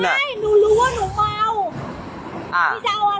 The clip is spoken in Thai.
ไม่หนูรู้ว่าหนูเมา